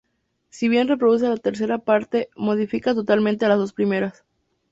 Si bien reproduce la tercera parte, modifica totalmente las dos primeras.